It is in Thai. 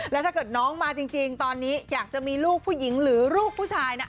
แล้วถ้าเกิดน้องมาจริงตอนนี้อยากจะมีลูกผู้หญิงหรือลูกผู้ชายนะ